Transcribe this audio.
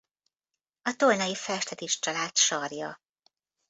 A tolnai Festetics család sarja.